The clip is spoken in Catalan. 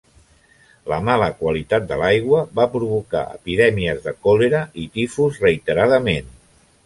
La mala qualitat de l'aigua va provocar epidèmies de còlera i tifus reiteradament.